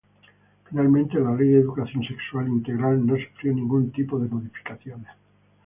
Finalmente la ley de educación sexual integral no sufrió ningún tipo de modificaciones.